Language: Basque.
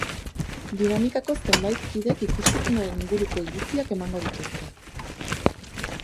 Dinamikako zenbait kidek ikuskizunaren inguruko iritziak emango dituzte.